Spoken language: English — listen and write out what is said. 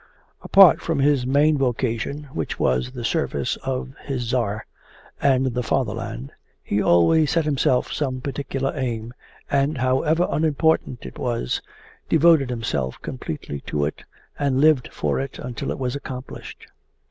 Apart from his main vocation, which was the service of his Tsar and the fatherland, he always set himself some particular aim, and however unimportant it was, devoted himself completely to it and lived for it until it was accomplished.